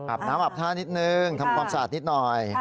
น้ำอาบท่านิดนึงทำความสะอาดนิดหน่อย